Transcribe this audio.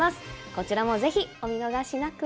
こちらもぜひお見逃しなく！